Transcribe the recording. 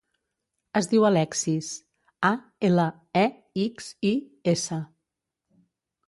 Es diu Alexis: a, ela, e, ics, i, essa.